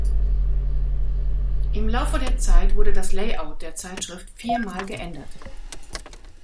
Im Laufe der Zeit wurde das Layout der Zeitschrift viermal geändert.